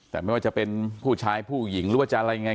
แต่ไม่ว่าจะเป็นผู้ชายผู้หญิงหรือว่าจะอะไรยังไง